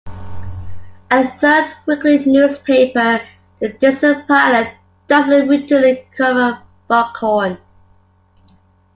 A third weekly newspaper, the Dixon Pilot, doesn't routinely cover Buckhorn.